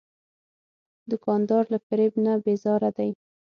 دوکاندار له فریب نه بیزاره دی.